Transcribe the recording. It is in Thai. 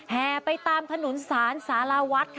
แห่ไปตามถนนสานสาลาวัด